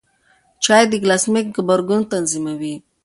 چای د ګلاسیمیک غبرګون تنظیموي.